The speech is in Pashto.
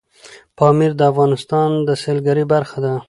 پامیر د افغانستان د سیلګرۍ برخه ده.